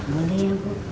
boleh ya bu